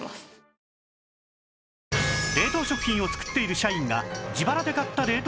冷凍食品を作っている社員が自腹で買った冷凍食品とは？